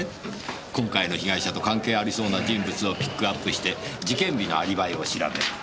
今回の被害者と関係ありそうな人物をピックアップして事件日のアリバイを調べる。